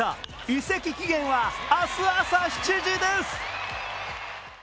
移籍期限は明日朝７時です！